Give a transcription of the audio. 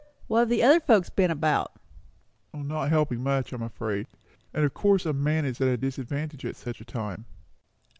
"What have the other folks been about?" "Not helping much, I am afraid. And of course a man is at a disadvantage at such a time."